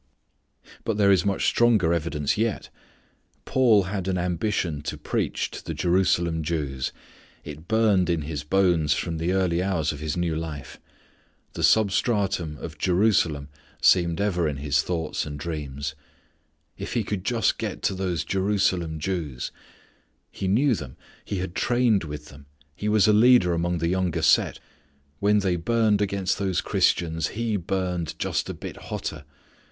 But there is much stronger evidence yet. Paul had an ambition to preach to the Jerusalem Jews. It burned in his bones from the early hours of his new life. The substratum of "Jerusalem" seemed ever in his thoughts and dreams. If he could just get to those Jerusalem Jews! He knew them. He had trained with them. He was a leader among the younger set. When they burned against these Christians he burned just a bit hotter.